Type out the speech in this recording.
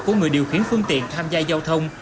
của người điều khiển phương tiện tham gia giao thông